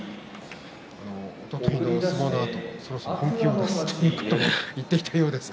おとといの相撲のあとそろそろ本気を出すということを言っていたようですが。